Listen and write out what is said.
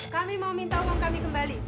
kami mau minta uang kami kembali